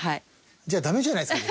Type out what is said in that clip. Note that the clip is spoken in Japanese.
じゃあダメじゃないですか